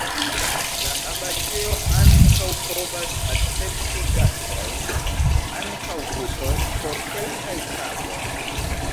La abatejo ankaŭ povas akcepti gastojn (ankaŭ grupoj) por kelkaj tagoj.